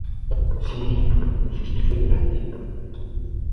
Si, o susto foi grande.